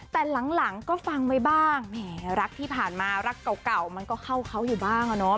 แต่หลังก็ฟังไว้บ้างแหมรักที่ผ่านมารักเก่ามันก็เข้าเขาอยู่บ้างอะเนาะ